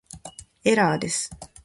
エラーです